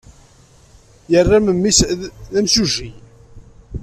Yerra memmi-s d imsujji.